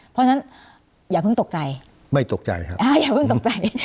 เพราะฉะนั้นอย่าเพิ่งตกใจไม่ตกใจครับอ่าอย่าเพิ่งตกใจ